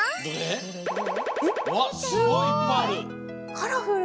カラフル！